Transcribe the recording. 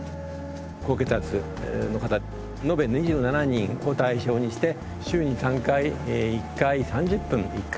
高血圧の方延べ２７人を対象にして週に３回１回３０分１カ月間乗って頂きました。